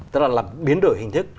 tức là biến đổi hình thức